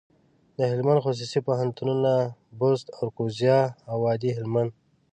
دهلمند خصوصي پوهنتونونه، بُست، اراکوزیا او وادي هلمند.